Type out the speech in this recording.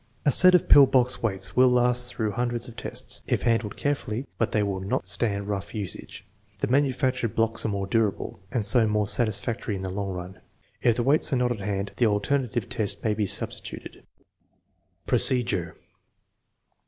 A set of pill box weights will last through hundreds of tests, if handled care fully, but they will not stand rough usage. The manu factured blocks are more durable, and so more satisfactory in the long run. If the weights are not at hand, the alterna tive test may be substituted. Procedure.